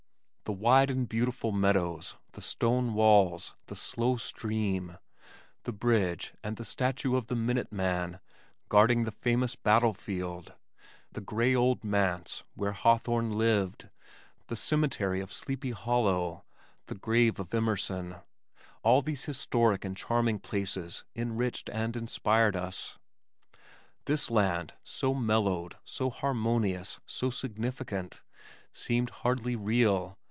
The wide and beautiful meadows, the stone walls, the slow stream, the bridge and the statue of the "Minute Man" guarding the famous battlefield, the gray old Manse where Hawthorne lived, the cemetery of Sleepy Hollow, the grave of Emerson all these historic and charming places enriched and inspired us. This land, so mellowed, so harmonious, so significant, seemed hardly real.